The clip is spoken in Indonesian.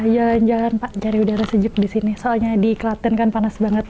jalan jalan cari udara sejuk disini soalnya di klaten kan panas banget